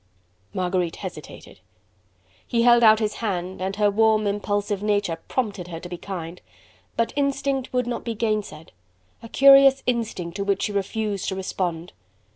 Marguerite hesitated. He held out his hand and her warm, impulsive nature prompted her to be kind. But instinct would not be gainsaid: a curious instinct to which she refused to respond.